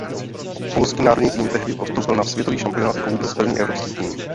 Polský národní tým tehdy postoupil na světový šampionát jako vůbec první evropský tým.